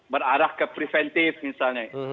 berarah ke preventif misalnya